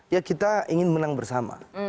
ya kita ingin menang bersama